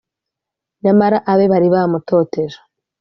Nyamara abe bari bamutoteje,